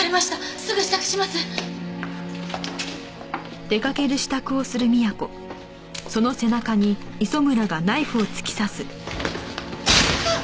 すぐ支度します！あっ！